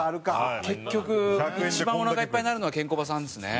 結局一番おなかいっぱいになるのはケンコバさんですね。